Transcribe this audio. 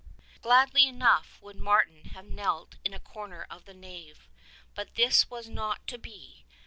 Gladly enough would Martin have knelt in a corner of the nave, but this was not to be.